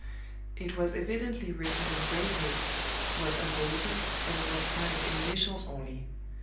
It was evidently written in great haste, was undated, and was signed in initials only.